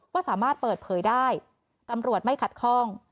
ว่าสามารถเปิดเผยได้ตำรวจไม่ขัดข้อง